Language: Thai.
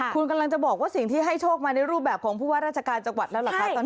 คุณกำลังจะบอกว่าสิ่งที่ให้โชคมาในรูปแบบของผู้ว่าราชการจังหวัดแล้วเหรอคะตอนนี้